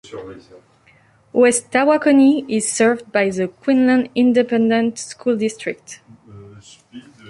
West Tawakoni is served by the Quinlan Independent School District.